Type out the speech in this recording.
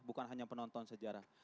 bukan hanya penonton sejarah